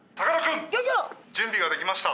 「準備ができました」。